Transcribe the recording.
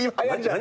何？